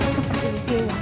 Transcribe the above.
seperti misi allah